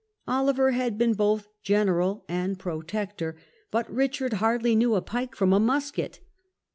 Oliver had been both the Army. General and Protector, but Richard hardly knew a pike from a musket.